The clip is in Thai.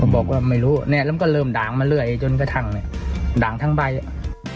บอกว่าไม่รู้เนี่ยแล้วมันก็เริ่มด่างมาเรื่อยจนกระทั่งเนี่ยด่างทั้งใบอ่ะ